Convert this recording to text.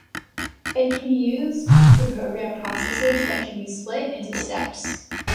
It can be used to program processes that can be split into steps.